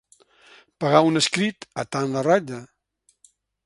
Pagar un escrit a tant la ratlla.